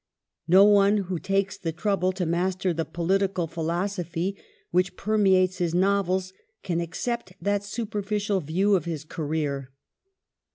No one who takes the educatfon trouble to master the political philosophy which permeates hisi of Conser novels can accept that supei ficial view of his career.